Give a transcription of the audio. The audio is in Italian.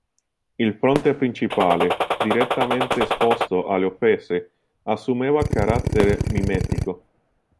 Il fronte principale, direttamente esposto alle offese, assumeva carattere mimetico.